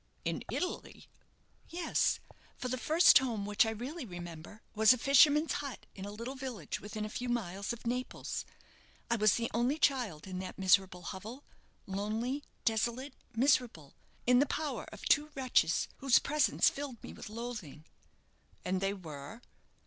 "In Italy!" "Yes; for the first home which I really remember was a fisherman's hut, in a little village within a few miles of Naples. I was the only child in that miserable hovel lonely, desolate, miserable, in the power of two wretches, whose presence filled me with loathing." "And they were